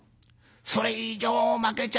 それ以上まけちゃ